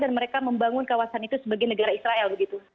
dan mereka membangun kawasan itu sebagai negara israel